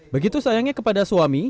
begitu sayangnya kepada suami